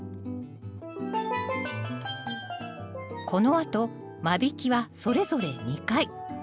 このあと間引きはそれぞれ２回。